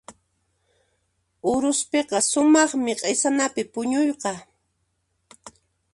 Uruspiqa sumaqmi q'isanapi puñuyqa.